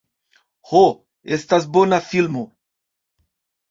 Ho, estas bona filmo.